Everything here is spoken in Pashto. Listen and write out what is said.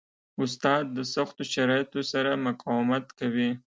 استاد د سختو شرایطو سره مقاومت کوي.